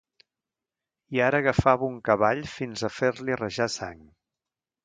I ara agafava un cavall fins a fer-li rajar sang.